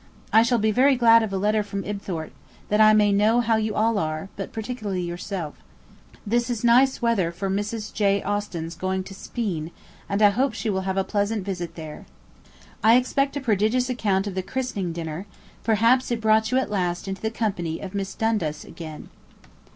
I shall be very glad of a letter from Ibthorp, that I may know how you all are, but particularly yourself. This is nice weather for Mrs. J. Austen's going to Speen, and I hope she will have a pleasant visit there. I expect a prodigious account of the christening dinner; perhaps it brought you at last into the company of Miss Dundas again.